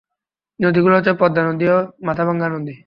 নদীগুলো হচ্ছে পদ্মা নদী ও মাথাভাঙ্গা নদী।